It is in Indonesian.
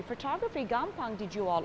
fotografi gampang dijual